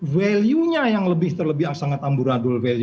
value nya yang terlebih lebih sangat amburadul